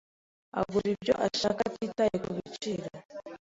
Agura ibyo ashaka atitaye kubiciro.